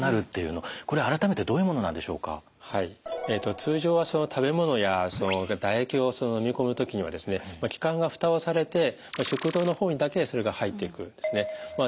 通常は食べ物や唾液を飲み込む時には気管がふたをされて食道の方にだけそれが入っていくんですね。